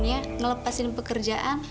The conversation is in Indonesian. dia nuovo proses pengamatan